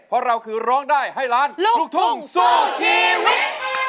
เพราะเราคือร้องได้ให้ล้านลูกทุ่งสู้ชีวิต